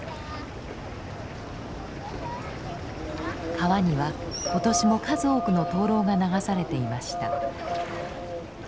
川には今年も数多くの灯籠が流されていました。